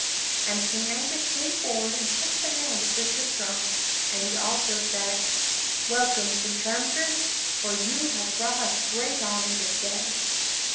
And King Angus came forward and took the hand of Sir Tristram, and he also said: "Welcome, Sir Tramtris, for you have brought us great honor this day!"